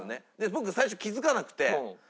僕最初気付かなくて。